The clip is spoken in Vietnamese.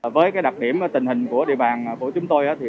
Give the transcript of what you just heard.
với đặc điểm tình hình của địa bàn của chúng tôi